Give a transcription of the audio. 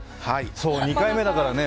２回目だからね。